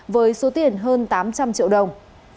với số tiền hơn tám trăm linh triệu đồng